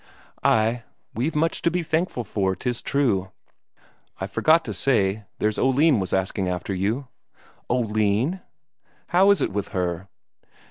"Ay, we've much to be thankful for, 'tis true." "I forgot to say, there's Oline was asking after you." "Oline? How is it with her?"